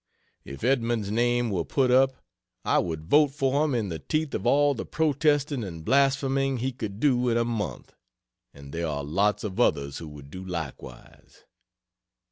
If Edmunds's name were put up, I would vote for him in the teeth of all the protesting and blaspheming he could do in a month; and there are lots of others who would do likewise.